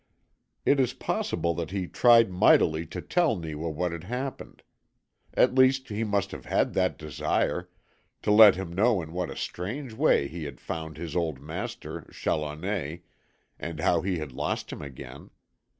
It is possible that he tried mightily to tell Neewa what had happened. At least he must have had that desire to let him know in what a strange way he had found his old master, Challoner, and how he had lost him again.